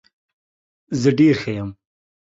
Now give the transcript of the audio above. زه ډیر ښه یم.